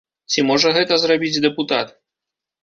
Ці можа гэта зрабіць дэпутат?